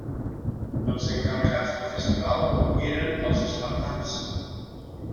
Els encarregats del festival eren els espartans.